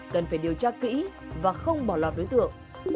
cần phải điều tra kỹ và không bỏ lọt đối tượng